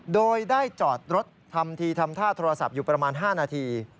โดยได้จอดรถทำทีทำท่าโทรศัพท์อยู่ประมาณ๕นาที